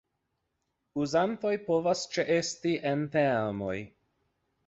Uzantoj povas ĉeesti en teamoj.